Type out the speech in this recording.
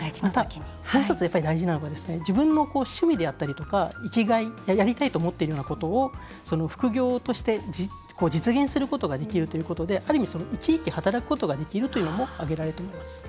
もう一つ、大事なのが自分の趣味であったりとか生きがい、やりたいと思っているようなことを副業として実現することができるということである意味、生き生き働くことができるというのも挙げられています。